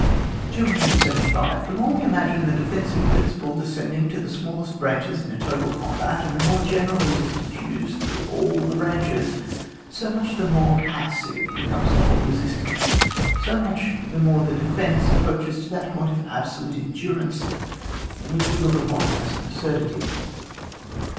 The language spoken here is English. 275. The more we imagine the defen sive principle descending to the smallest branches in a total combat, and the more generally it is diffused throughout all the branches, so much the more passive be comes the whole resistance, so much the more the defence approaches to that point of absolute endurance which we look upon as an absurdity.